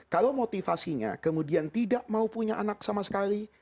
kalau motivasinya kemudian tidak mau punya anak sama sekali